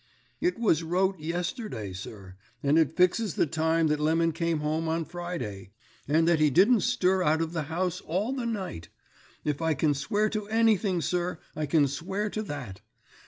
"It was wrote yesterday, sir, and it fixes the time that Lemon came home on Friday, and that he didn't stir out of the house all the night. If I can swear to anything, sir, I can swear to that.